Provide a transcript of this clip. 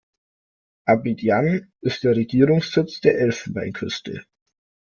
Abidjan ist der Regierungssitz der Elfenbeinküste.